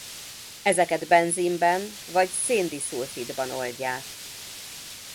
Ezeket benzinben vagy szén-diszulfidban oldják.